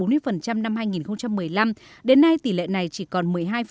đến năm hai nghìn một mươi năm đến nay tỷ lệ này chỉ còn một mươi hai ba mươi năm